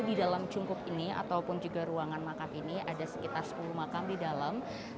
di dalam cungkup ini ataupun juga ruangan makam ini ada sekitar sepuluh makam di dalam